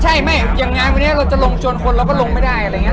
ใช่ไม่อย่างงานวันนี้เราจะลงจนคนเราก็ลงไม่ได้อะไรอย่างนี้